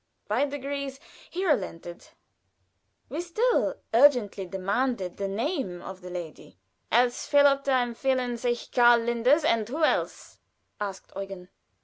By degrees he relented. We still urgently demanded the name of the lady. "Als verlobte empfehlen sich Karl Linders and who else?" asked Eugen.